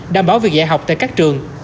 đảm bảo việc dạy học tại các trường